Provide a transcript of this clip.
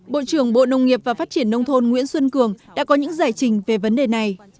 bộ trưởng bộ nông nghiệp và phát triển nông thôn nguyễn xuân cường đã có những giải trình về vấn đề này